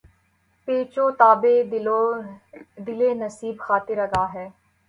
پیچ و تابِ دل نصیبِ خاطرِ آگاہ ہے